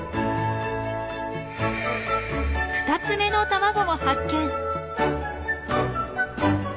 ２つ目の卵も発見！